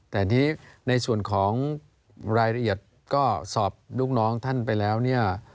แต่ทีนี้ในส่วนของรายละเอียดก็สอบลูกน้องท่านไปแล้วเนี่ย